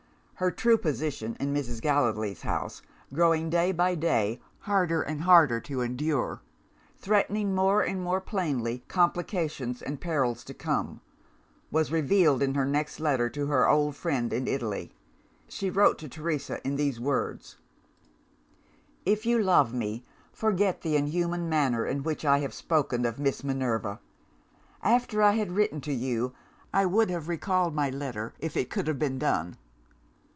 Her true position in Mrs. Gallilee's house growing, day by day, harder and harder to endure; threatening, more and more plainly, complications and perils to come was revealed in her next letter to her old friend in Italy. She wrote to Teresa in these words: "If you love me, forget the inhuman manner in which I have spoken of Miss Minerva! "After I had written to you, I would have recalled my letter, if it could have been done.